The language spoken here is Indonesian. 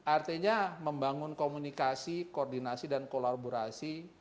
artinya membangun komunikasi koordinasi dan kolaborasi